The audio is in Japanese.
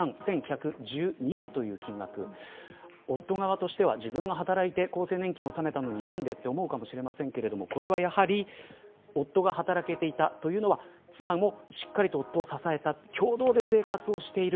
夫側としては自分が働いて厚生年金を納めたのに何で、と思うかもしれませんけれどもこれは夫が働けていたというのは妻もしっかりと夫を支えた共同で生活している。